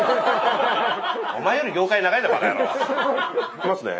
いきますね。